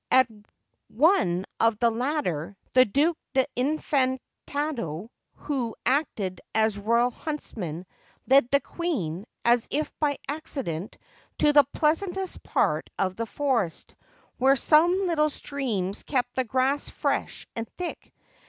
At one of the latter, the Duke d'Infantado, who acted as royal huntsman, led the queen, as if by acci dent, to the pleasantest part of the forest, where some little streams kept the grass fresh and thick.